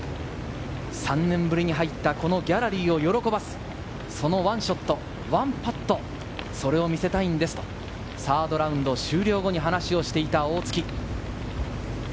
３年ぶりに入ったこのギャラリーを喜ばすその１ショット、１パット、それを見せたいんですと３ｒｄラウンド終了後に話をしていた大槻。